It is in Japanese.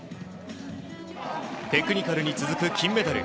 テクニカルに続く金メダル。